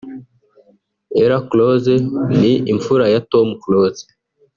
Ella Close ni imfura ya Tom Close